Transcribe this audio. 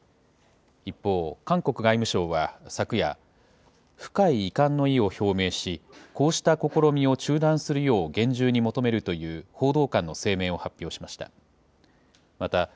一方、韓国外務省は昨夜、深い遺憾の意を表明し、こうした試みを中断するよう厳重に求めるという報道官の声明を発表しました。